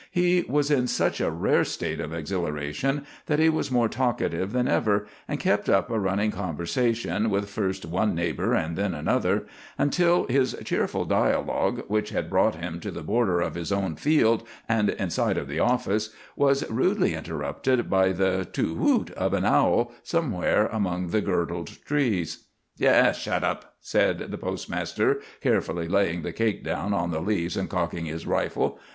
He was in such a rare state of exhilaration that he was more talkative than ever, and kept up a running conversation with first one neighbor and then another, until his cheerful dialogue, which had brought him to the border of his own field and in sight of the office, was rudely interrupted by the "too hoot" of an owl somewhere among the girdled trees. "Shet up," said the postmaster, carefully laying the cake down on the leaves, and cocking his rifle.